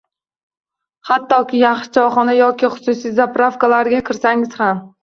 Hattoki yaxshi choyxona yoki hususiy zapravkalarga kirsangiz ham